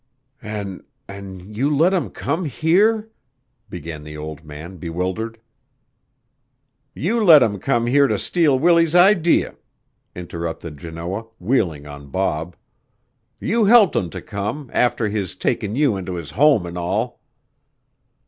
"An' an' you let 'em come here " began the old man bewildered. "You let 'em come here to steal Willie's idee," interrupted Janoah, wheeling on Bob. "You helped 'em to come, after his takin' you into his home an' all!"